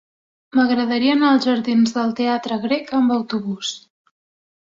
M'agradaria anar als jardins del Teatre Grec amb autobús.